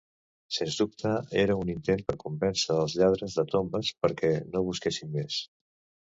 Sense dubte, era un intent per convèncer els lladres de tombes perquè no busquessin més.